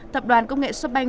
tập đoàn công nghệ shopping